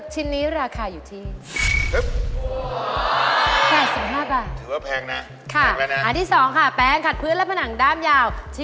ต้องถูกกว่า๘๐บาท